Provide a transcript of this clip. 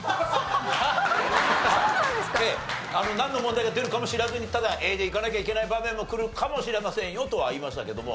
なんの問題が出るかも知らずにただＡでいかなきゃいけない場面も来るかもしれませんよとは言いましたけども。